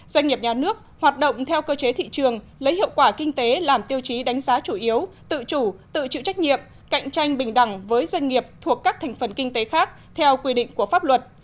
doanh nghiệp nhà nước hoạt động theo cơ chế thị trường lấy hiệu quả kinh tế làm tiêu chí đánh giá chủ yếu tự chủ tự chịu trách nhiệm cạnh tranh bình đẳng với doanh nghiệp thuộc các thành phần kinh tế khác theo quy định của pháp luật